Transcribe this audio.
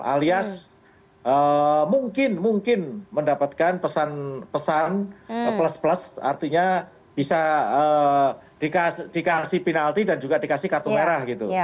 alias mungkin mungkin mendapatkan pesan pesan plus plus artinya bisa dikasih penalti dan juga dikasih kartu merah gitu